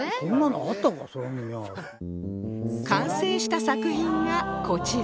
完成した作品がこちら